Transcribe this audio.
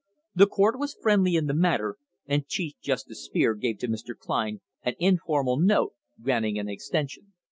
The court was friendly in the matter, and Chief Justice Spear gave to Mr. Kline an informal note granting an extension.